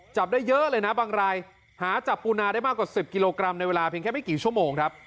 จับได้เยอะเลยนะบางรายหาจับปูนาได้มากกว่า๑๐กิโลกรัมในเวลาเพียงแค่ไม่กี่ชั่วโมงครับ